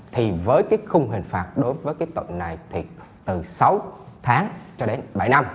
thì với cái khung hình phạt đối với cái tội này thì từ sáu tháng cho đến bảy năm